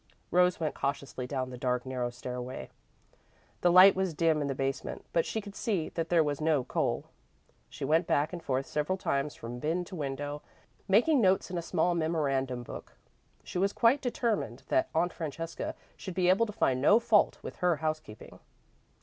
Rose went cautiously down the dark, narrow stairway. The light was dim in the basement but she could see that there was no coal. She went back and forth several times from bin to window, making notes in a small memorandum book. She was quite determined that Aunt Francesca should be able to find no fault with her housekeeping.